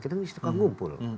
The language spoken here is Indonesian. kita di situ kan ngumpul